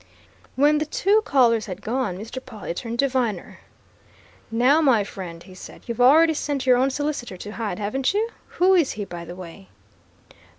When the two callers had gone, Mr. Pawle turned to Viner. "Now, my friend," he said, "you've already sent your own solicitor to Hyde, haven't you? Who is he, by the by?"